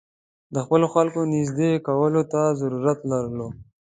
د خپلو خلکو نېږدې کولو ته ضرورت لرو.